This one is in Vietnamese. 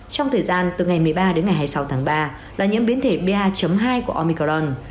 trong thời gian từ ngày một mươi ba đến ngày hai mươi sáu tháng ba là những biến thể ba hai của omicron